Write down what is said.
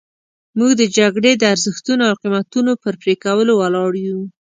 موږ د جګړې د ارزښتونو او قیمتونو پر پرې کولو ولاړ یو.